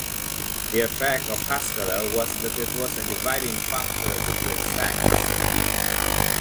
The effect of Haskalah was that it was a dividing factor between sects.